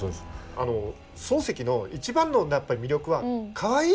あの漱石の一番の魅力はかわいい事。